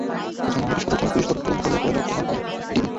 প্রথমে মামলাটি সদর থানার পুলিশ তদন্ত করলেও পরে তদন্তভার পায় ডিবি।